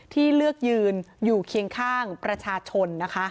ที่เลือกยืนอยู่เคียงข้างประชาชนนะคะ